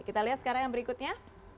kita lihat sekarang yang berikutnya